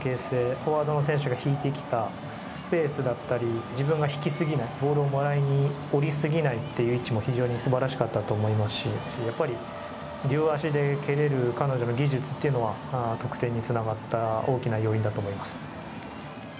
フォワードの選手が引いてきたスペースだったり自分が引きすぎないボールをもらいに下りすぎないという位置も非常に素晴らしかったと思いますし両足で蹴れる彼女の技術というのは得点につながった大きな要因だと思います。